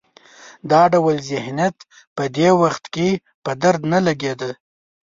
دا ډول ذهنیت په دې وخت کې په درد نه لګېده.